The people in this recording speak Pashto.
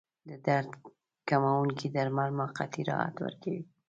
د درد کموونکي درمل موقتي راحت ورکوي.